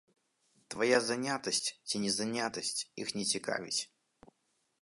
Твая занятасць ці не занятасць іх не цікавіць.